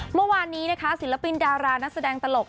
เมื่อวานนี้นะคะศิลปินดารานักแสดงตลก